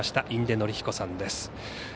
印出順彦さんです。